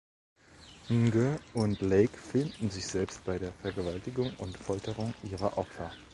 Ng und Lake filmten sich selbst bei der Vergewaltigung und Folterung ihrer Opfer.